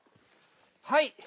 はい。